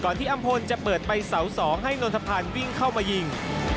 ที่อำพลจะเปิดไปเสา๒ให้นนทพันธ์วิ่งเข้ามายิง